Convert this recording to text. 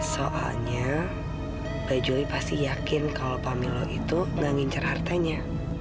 soalnya mbak juli pasti yakin kalau pak milo itu gak ngincar hartanya